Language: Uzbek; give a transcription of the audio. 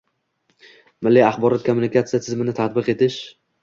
milliy axborot-kommunikatsiya tizimini tatbiq etish